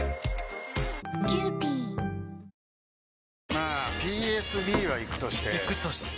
まあＰＳＢはイクとしてイクとして？